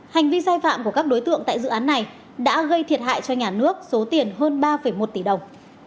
hành vi sai phạm của các đối tượng tại dự án này đã gây thiệt hại cho nhà nước số tiền hơn ba một tỷ đồng